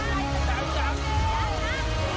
วินาภ่า